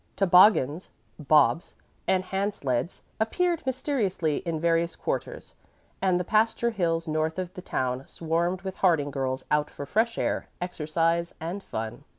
Toboggans, "bobs" and hand sleds appeared mysteriously in various quarters, and the pasture hills north of the town swarmed with Harding girls out for fresh air, exercise and fun.